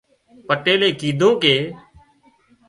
پٽيلئي ڪيڌون ڪي